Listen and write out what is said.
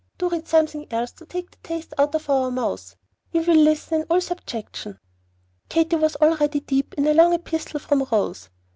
Do read something else to take the taste out of our mouths. We will listen in 'all subjection.'" Katy was already deep in a long epistle from Rose.